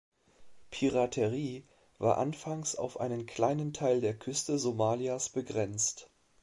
Piraterie war anfangs auf einen kleinen Teil der Küste Somalias begrenzt.